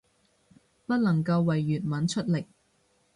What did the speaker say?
不能夠為粵文出力